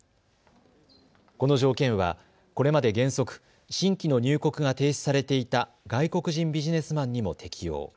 この条件はこれまで原則新規の入国が停止されていた外国人ビジネスマンにも適用。